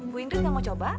bu ingrid nggak mau coba